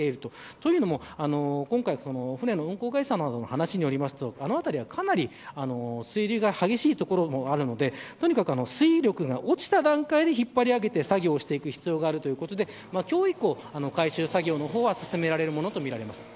というのも今回舟の運航会社などの話によりますとあの辺りは、かなり水流が激しい所もあるのでとにかく、水力が落ちた段階で引っ張り上げて作業をする必要があるということで今日以降、回収作業は進められるものとみられます。